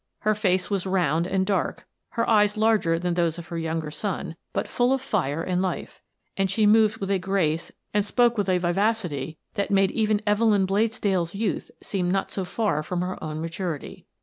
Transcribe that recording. Her face was round and dark, her eyes larger than those of her younger son, but full of fire and life, and she moved with a grace and spoke with a vivacity which made even Evelyn Bladesdell's youth seem not so far from her own maturity.